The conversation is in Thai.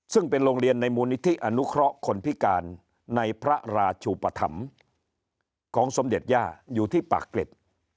ซึ่งเป็นโรงเรียนในมูลนิธิอนุเคราะห์คนพิการในพระราชุปธรรมของสมเด็จย่าอยู่ที่ปากเกร็ด